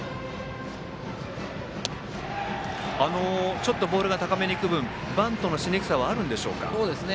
ちょっとボールが高めにいく分バントのしにくさはあるんでしょうか。